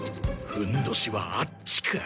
ふんどしはあっちか。